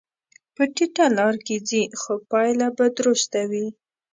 په ټیټه لار کې ځې، خو پایله به درسته وي.